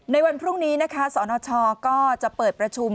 ในวันพรุ่งนี้นะคะสนชก็จะเปิดประชุม